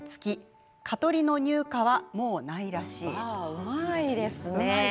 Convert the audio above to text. うまいですね。